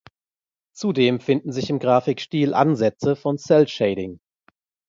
Zudem finden sich im Grafikstil Ansätze von Cel-Shading.